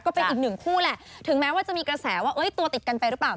ก็เป็นอีกหนึ่งคู่แหละถึงแม้ว่าจะมีกระแสว่าตัวติดกันไปหรือเปล่า